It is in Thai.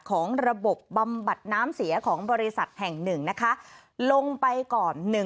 ของระบบบำบัดน้ำเสียของบริษัทแห่ง๑นะคะลงไปก่อน